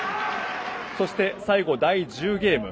そして最後、第１０ゲーム。